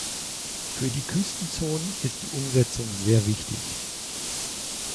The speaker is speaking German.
Für die Küstenzonen ist die Umsetzung sehr wichtig.